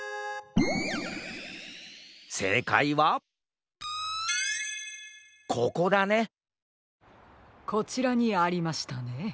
せいかいはここだねこちらにありましたね。